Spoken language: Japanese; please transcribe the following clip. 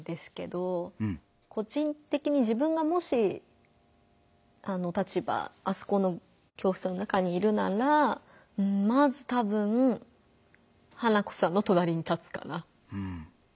個人的に自分がもしあの立場あそこの教室の中にいるならまずたぶん花子さんのとなりに立つかな。